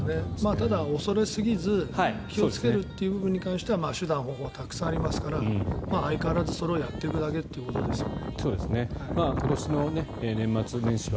ただ、恐れすぎず気をつけるという部分に関しては手段、方法はたくさんありますから相変わらずそれをやっていくということだけですよね。